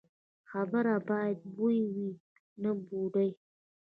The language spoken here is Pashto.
خبره باید بویه وي، نه بوډۍ.